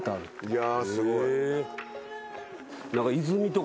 いやーすごい。わ。